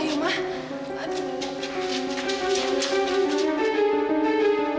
udah enak ayo ma